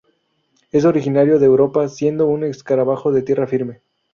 Es originario de Europa, siendo un escarabajo de tierra firme.